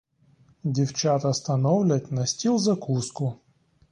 Дівчата становлять на стіл закуску.